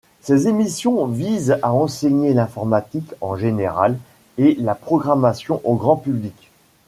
Ces émissions visent à enseigner l'informatique en général et la programmation au grand public.